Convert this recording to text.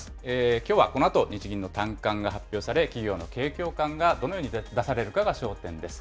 きょうはこのあと、日銀の短観が発表され、企業の景況感がどのように出されるかが焦点です。